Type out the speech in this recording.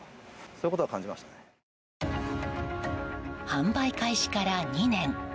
販売開始から２年。